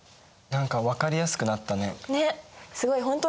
何か分かりやすくなったね。